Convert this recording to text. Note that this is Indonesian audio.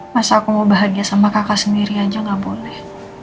masa aku mau bahagia sama kakak sendiri aja gak boleh